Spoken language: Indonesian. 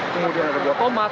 kemudian ada juga tomat